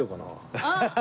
アハハハ。